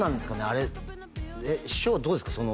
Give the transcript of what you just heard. あれ師匠はどうですか？